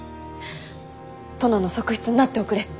殿の側室になっておくれ。